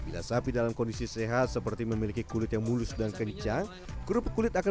dan sapi dalam kondisi sehat seperti memiliki kulit yang mulus dan kencang kerupuk kulit akan